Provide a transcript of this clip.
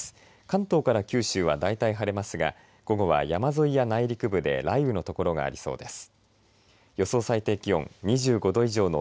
関東から九州はだいたい晴れますが午後は山沿いや内陸部で雷雨の所がありそうです。